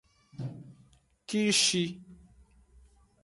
Kishi.